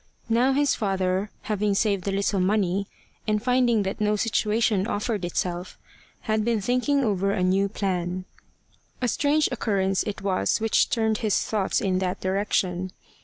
Now his father having saved a little money, and finding that no situation offered itself, had been thinking over a new plan. A strange occurrence it was which turned his thoughts in that direction.